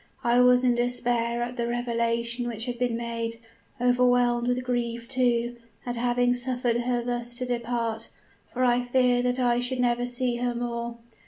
I was in despair at the revelation which had been made overwhelmed with grief, too, at having suffered her thus to depart for I feared that I should never see her more.